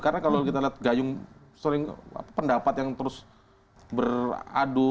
karena kalau kita lihat gayung pendapat yang terus beradu